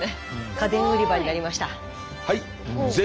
家電売り場になりました。